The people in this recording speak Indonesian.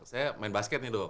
saya main basket nih dok